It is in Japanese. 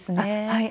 はい。